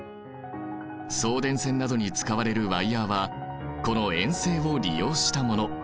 送電線などに使われるワイヤーはこの延性を利用したもの。